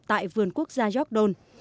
tại vườn quốc gia york don